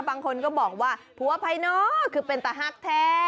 บางคนก็บอกว่าผัวภายนอกคือเป็นตะฮักแท้